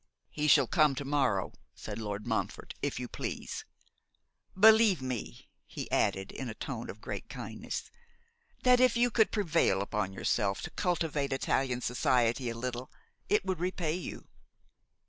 'He shall come to morrow,' said Lord Montfort, 'if you please. Believe me,' he added, in a tone of great kindness, 'that if you could prevail upon yourself to cultivate Italian society a little, it would repay you.